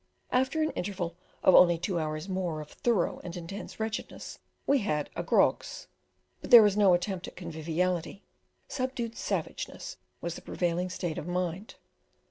After an interval of only two hours more of thorough and intense wretchedness we had a "grogs," but there was no attempt at conviviality subdued savageness was the prevailing state of mind.